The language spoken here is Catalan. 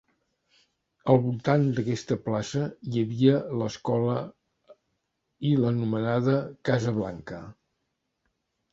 Al voltant d'aquesta plaça hi havia l'escola i l'anomenada Casa Blanca.